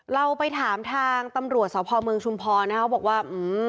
เราไปถามทางตำรวจสะพอเมืองชุมพอนะบอกว่า